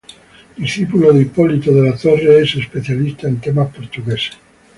Discípulo de Hipólito de la Torre, es especialista en temas portugueses.